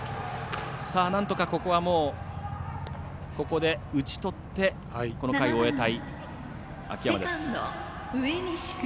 なんとかここで打ちとってこの回を終えたい、秋山です。